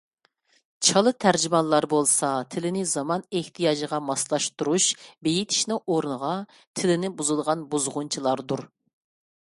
«چالا تەرجىمان»لار بولسا تىلىنى زامان ئىھتىياجىغا ماسلاشتۇرۇش، بېيتىشنىڭ ئورنىغا تىلىنى بۇزىدىغان بۇزغۇنچىلاردۇر.